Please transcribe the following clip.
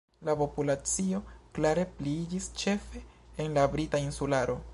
La populacio klare pliiĝis ĉefe en la Brita Insularo.